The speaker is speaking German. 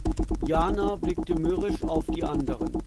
Jana blickte mürrisch auf die anderen.